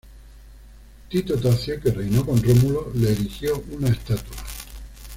Tito Tacio, que reinó con Rómulo, le erigió una estatua.